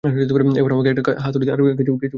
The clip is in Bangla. এবার আমাকে একটা হাতুড়ি আর কিছু পেরেক এনে দাও।